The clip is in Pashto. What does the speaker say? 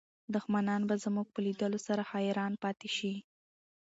دښمنان به زموږ په لیدلو سره حیران پاتې شي.